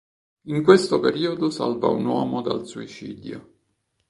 In questo periodo salva un uomo dal suicidio.